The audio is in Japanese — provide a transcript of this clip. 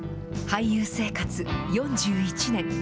俳優生活４１年。